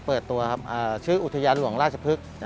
เปิดตัวชื่ออุทยานหลวงราชภึก